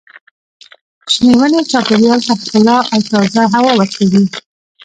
شنې ونې چاپېریال ته ښکلا او تازه هوا ورکوي.